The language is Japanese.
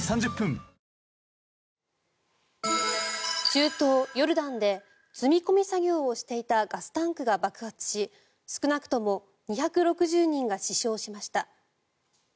中東ヨルダンで積み込み作業をしていたガスタンクが爆発し少なくとも２６０人が死傷しました。